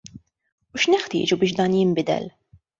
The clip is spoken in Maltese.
U x'neħtieġu biex dan jinbidel?